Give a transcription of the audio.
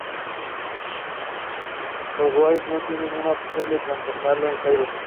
Los Riders no tienen más opción que transformarlo en un cyborg.